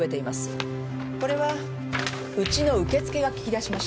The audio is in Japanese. これはウチの受付が聞き出しました。